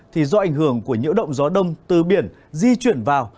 thì do ảnh hưởng của nhiễu động gió đông từ biển di chuyển vào